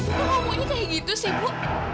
ibu kok ngomongnya kayak gitu sih ibu